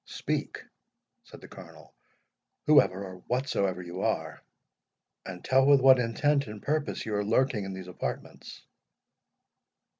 "Speak," said the Colonel, "whoever or whatsoever you are, and tell with what intent and purpose you are lurking in these apartments?"